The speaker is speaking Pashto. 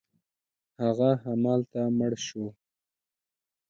هغه همالته مړ شو.